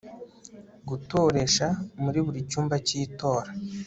gutoresha muri buri cyumba cy itora